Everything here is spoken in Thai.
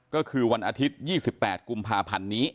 ก็คือวันอาทิตยี่สิบแปดกุมภาพันธ์นี้